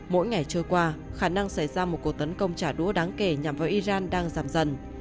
mỗi ngày trôi qua khả năng xảy ra một cuộc tấn công trả đũa đáng kể nhằm vào iran đang giảm dần